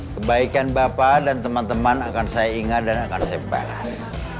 kebaikan bapak dan teman teman akan saya ingat dan akan saya balas